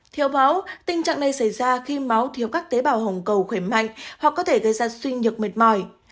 theo báo tình trạng này xảy ra khi máu thiếu các tế bào hồng cầu khỏe mạnh hoặc có thể gây ra suy nhược mệt mỏi